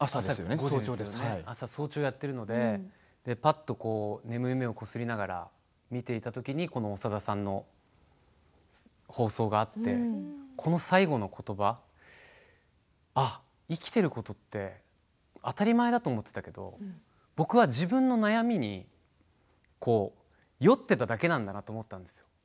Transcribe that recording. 早朝やっているので眠い目をこすりながら見ていたときに長田さんの放送があってこの最後のことば生きていることって当たり前だと思っていたけれど僕は自分の悩みに酔っていただけなんだなと思ったんですよ。